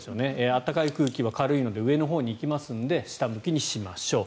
暖かい空気は軽いので上のほうに行きますので下向きにしましょう。